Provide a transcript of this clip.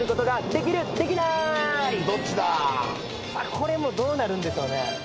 さぁこれもどうなるんでしょう。